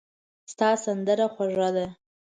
د تا سندره خوږه ده